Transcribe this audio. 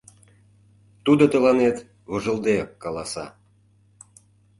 Тудо тыланет вожылдеак каласа: